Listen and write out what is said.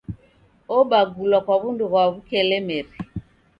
Obagulwa kwa w'undu ghwa w'ukelemeri.